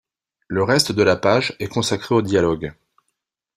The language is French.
Le reste de la page est consacré au dialogue.